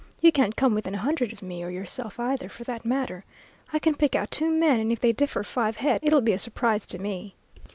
You can't come within a hundred of me, or yourself either, for that matter. I can pick out two men, and if they differ five head, it'll be a surprise to me.